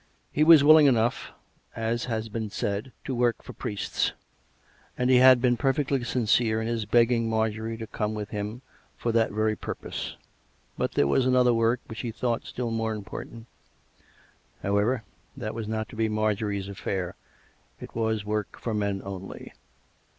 He was willing enough, as has been said, to work for priests, and he had been perfectly sincere in his begging Marjorie to come with him for that very purpose; but there was another work which he thought still more ur gent. ... However, that was not to be Marjorie's affair. ... It was work for men only.